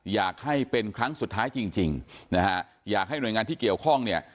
อยากให้เป็นครั้งสุดท้ายจริงจริงนะฮะอยากให้หน่วยงานที่เกี่ยวข้องเนี่ย